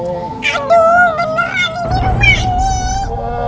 aduh beneran ini rumahnya